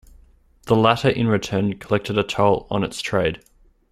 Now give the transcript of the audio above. The latter in return collected a toll on its trade.